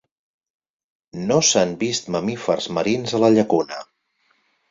No s'han vist mamífers marins a la llacuna.